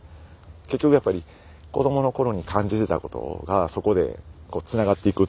結局やっぱり子どもの頃に感じてたことがそこでつながっていくっていうかね